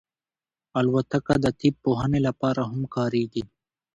الوتکه د طب پوهنې لپاره هم کارېږي.